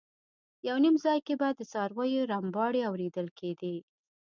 یو نیم ځای کې به د څارویو رمباړې اورېدل کېدې.